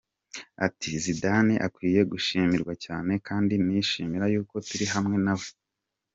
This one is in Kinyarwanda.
Ati Zidane akwiye gushimirwa cyane kandi nishimira yuko turi hamwe nawe !